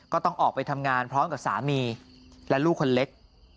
ก็ต้องออกไปทำงานพร้อมกับสามีและลูกคนเล็ก